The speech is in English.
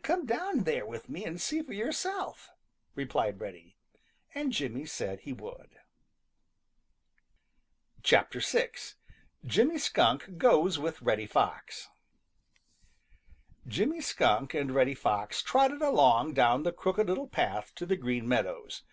"Come down there with me and see for yourself," replied Reddy. And Jimmy said he would. VI. JIMMY SKUNK GOES WITH REDDY FOX |JIMMY SKUNK and Reddy Fox trotted along down the Crooked Little Path to the Green Meadows.